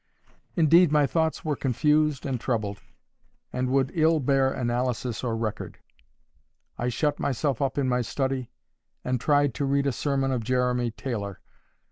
Indeed my thoughts were confused and troubled, and would ill bear analysis or record. I shut myself up in my study, and tried to read a sermon of Jeremy Taylor.